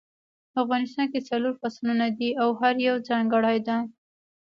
افغانستان کې څلور فصلونه دي او هر یو ځانګړی ده